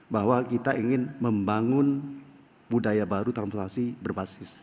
bahwa kita ingin membangun budaya baru transportasi berbasis